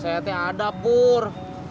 saya hati hati ada pur